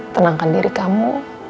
tenangkan diri kamu